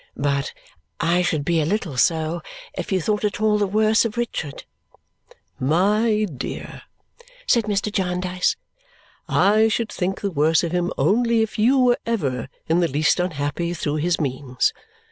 "But I should be a little so if you thought at all the worse of Richard." "My dear," said Mr. Jarndyce, "I should think the worse of him only if you were ever in the least unhappy through his means.